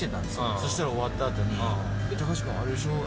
そしたら終わったあとに、高橋君、あれでしょ？